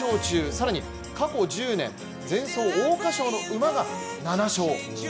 更に過去１０年前走桜花賞の馬が７勝。